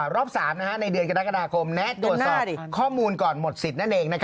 รอบ๓ในเดือนกรณกฎาคมแนะโดสอบข้อมูลก่อนหมดสิทธิ์